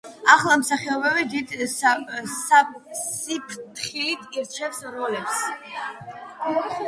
ახლა მსახიობი დიდი სიფრთხილით ირჩევს როლებს.